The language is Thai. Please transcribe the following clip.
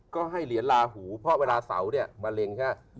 ก็ให้เหรียญลาหูเพราะเวลาเสามาเล็ง